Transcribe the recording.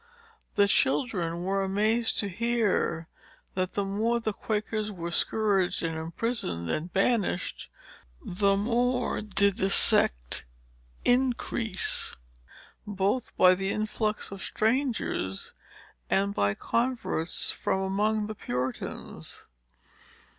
The children were amazed to hear, that, the more the Quakers were scourged, and imprisoned, and banished, the more did the sect increase, both by the influx of strangers, and by converts from among the Puritans.